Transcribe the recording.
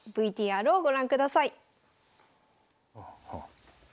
ＶＴＲをご覧ください。